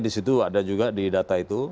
di situ ada juga di data itu